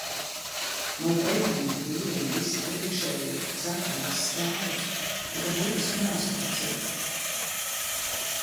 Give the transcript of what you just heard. No pretinieka vīriem visi priekšējie, kas atradās stāvus, tika burtiski noslaucīti.